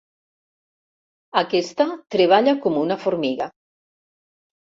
Aquesta treballa com una formiga.